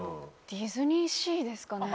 ディズニーシーですかね。